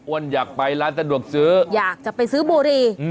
อยากไปร้านสะดวกซื้ออยากจะไปซื้อบุรี